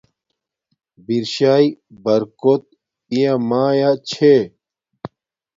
برشاݵݵ برکوت پیا مایا چھے